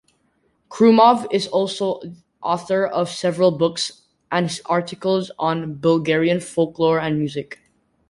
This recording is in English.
Krumov is also author of several books and articles on Bulgarian folklore and music.